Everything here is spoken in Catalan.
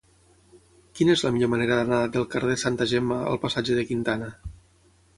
Quina és la millor manera d'anar del carrer de Santa Gemma al passatge de Quintana?